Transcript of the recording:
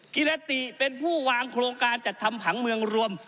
กิรติเป็นผู้วางโครงการจัดทำผังเมืองรวม